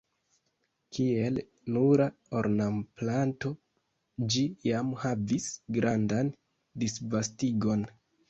Kiel nura ornamplanto ĝi jam havis grandan disvastigon.